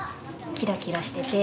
キラキラしてて。